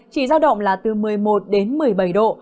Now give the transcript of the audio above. chỉ giao động là từ một mươi một đến một mươi bảy độ